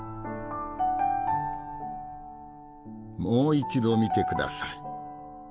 もう一度見てください。